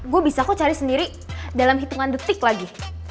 gue bisa kok cari sendiri dalam hitungan detik lagi